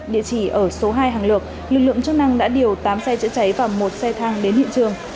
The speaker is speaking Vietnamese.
địa chỉ ở số hai hàng lược lực lượng chức năng đã điều tám xe chữa cháy và một xe thang đến hiện trường